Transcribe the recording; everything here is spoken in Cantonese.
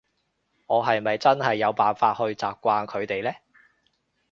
我係咪真係有辦法去習慣佢哋呢？